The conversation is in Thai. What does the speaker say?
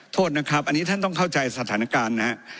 โทษนะครับอันนี้ท่านต้องเข้าใจสถานการณ์นะครับ